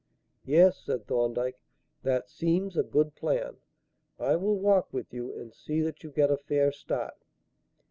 "Yes," said Thorndyke, "that seems a good plan. I will walk with you and see that you get a fair start."